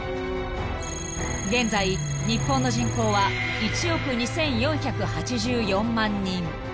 ［現在日本の人口は１億２，４８４万人］